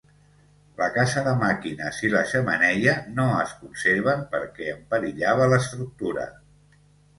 La casa de màquines i la xemeneia no es conserven perquè en perillava l’estructura.